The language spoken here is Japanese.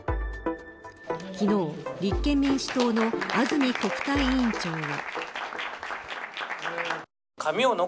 昨日、立憲民主党の安住国対委員長は。